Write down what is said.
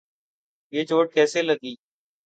یہ چوٹ کیسے لگی؟